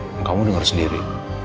dan kamu dengar sendiri